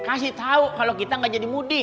kasih tahu kalau kita gak jadi mudik